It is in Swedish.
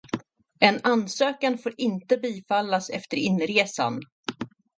En ansökan får inte bifallas efter inresan.